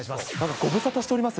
ご無沙汰してます。